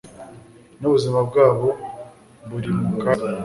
n'ubuzima bwabo buri mu kaga.